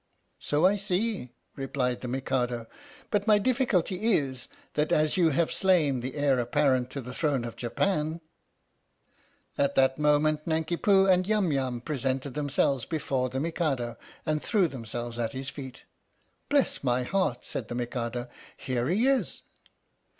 "So I see," replied the Mikado. " But my diffi culty is that as you have slain the Heir Apparent to the throne of Japan " At that moment Nanki Poo and Yum Yum pre sented themselves before the Mikado and threw themselves at his feet. " Bless my heart," said the Mikado. "Here he is